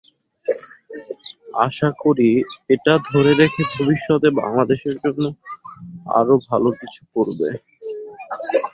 আশা করি এটা ধরে রেখে ভবিষ্যতে বাংলাদেশের জন্য আরও ভালো কিছু করবে।